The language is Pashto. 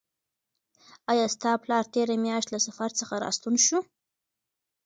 آیا ستا پلار تېره میاشت له سفر څخه راستون شو؟